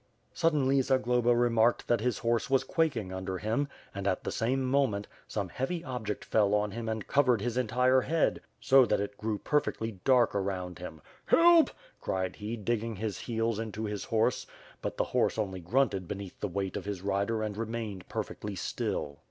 Suddenly Zagloba remarked that his horse was quaking onder him and, at the same moment, some heavy object fell on him and covered his entire head, so that it grew perfectly dark around him. "Help!" cried he, digging his heels into his horse, but the horse only grunted beneath the weight of his rider and re mained perfectly still.